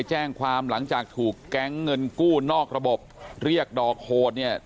แจ้งความหลังจากถูกแก๊งเงินกู้นอกระบบเรียกดอกโหดเนี่ย